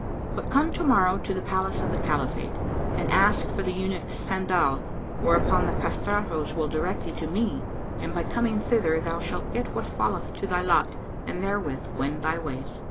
But come to morrow to the Palace of the Caliphate and ask for the eunuch Sandal; whereupon the castratos will direct thee to me and by coming thither thou shalt get what falleth to thy lot and therewith wend thy ways."